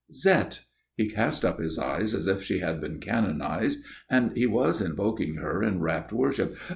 "Zette!" He cast up his eyes as if she had been canonized and he was invoking her in rapt worship.